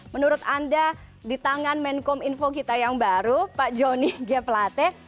menurut anda di tangan menkom info kita yang baru pak joni g plate